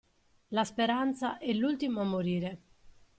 La speranza è l'ultima a morire.